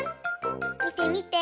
みてみて。